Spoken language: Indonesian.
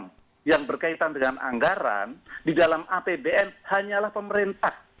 yang berkaitan dengan anggaran di dalam apbn hanyalah pemerintah